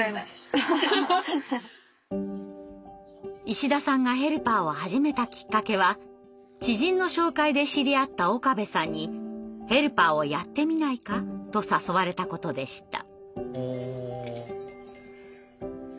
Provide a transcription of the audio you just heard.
石田さんがヘルパーを始めたきっかけは知人の紹介で知り合った岡部さんに「ヘルパーをやってみないか」と誘われたことでした。